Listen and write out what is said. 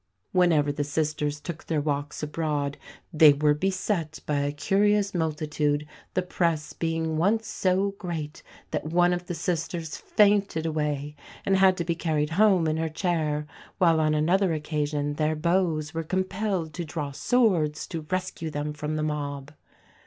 Whenever the sisters took their walks abroad "they were beset by a curious multitude, the press being once so great that one of the sisters fainted away and had to be carried home in her chair; while on another occasion their beaux were compelled to draw swords to rescue them from the mob."